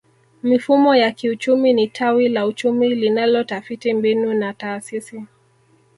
Mifumo ya kiuchumi ni tawi la uchumi linalotafiti mbinu na taasisi